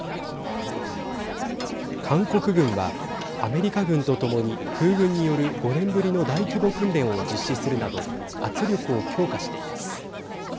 韓国軍は、アメリカ軍と共に空軍による５年ぶりの大規模訓練を実施するなど圧力を強化しています。